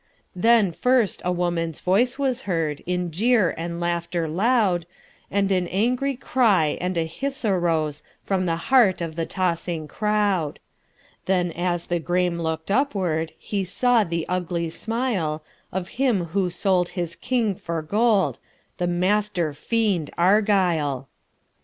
Then first a woman's voice was heardIn jeer and laughter loud, And an angry cry and a hiss aroseFrom the heart of the tossing crowd:Then as the Graeme look'd upwards, He saw the ugly smileOf him who sold his king for gold, The master fiend Argyle!